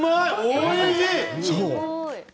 おいしい！